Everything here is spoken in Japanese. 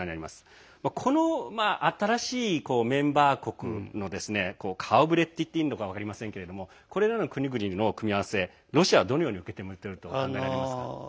この新しいメンバー国の顔ぶれといっていいのか分かりませんけどこれらの国々の組み合わせ、ロシアはどのように受け止めていると思いますか？